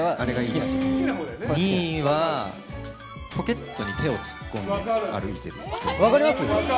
２位は、ポケットに手を突っ込んで歩いている人。